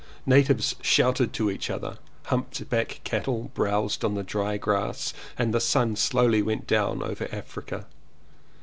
Natives shouted to each other, humped backed cattle browsed on the dry grass and the sun slowly went down over Africa.